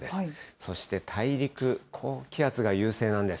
そして大陸、高気圧が優勢なんです。